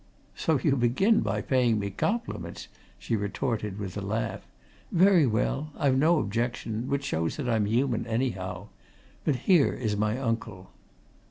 "So you begin by paying me compliments?" she retorted with a laugh. "Very well I've no objection, which shows that I'm human, anyhow. But here is my uncle."